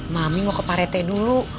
mami mau ke parete dulu